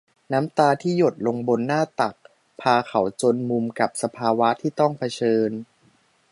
น้ำตาที่หยดลงบนหน้าตัก พาเขาจนมุมกับสภาวะที่ต้องเผชิญ